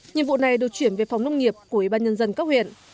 nhiệm vụ này được chuyển về phòng nông nghiệp của ủy ban nhân dân các huyện